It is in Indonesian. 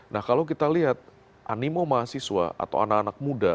nah kalau kita lihat animo mahasiswa atau anak anak muda